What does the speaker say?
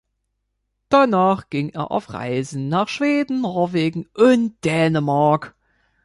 Danach ging er auf Reisen nach Schweden, Norwegen und Dänemark.